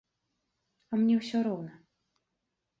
А мне ўсё роўна.